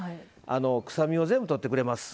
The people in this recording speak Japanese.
臭みを全部、とってくれます。